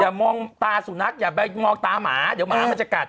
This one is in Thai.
มองตาสุนัขอย่าไปมองตาหมาเดี๋ยวหมามันจะกัด